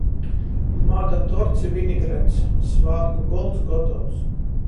Mada torts i vinegrets. Svātku golds gotovs.